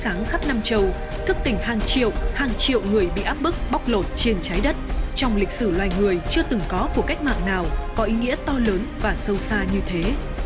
sáng khắp nam châu thức tỉnh hàng triệu hàng triệu người bị áp bức bóc lột trên trái đất trong lịch sử loài người chưa từng có của cách mạng nào có ý nghĩa to lớn và sâu xa như thế